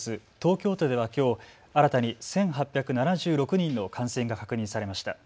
東京都ではきょう新たに１８７６人の感染が確認されました。